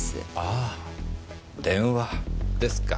あぁ電話ですか。